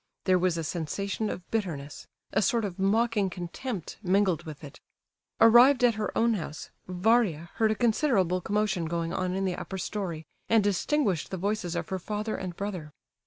There was a sensation of bitterness, a sort of mocking contempt, mingled with it. Arrived at her own house, Varia heard a considerable commotion going on in the upper storey, and distinguished the voices of her father and brother.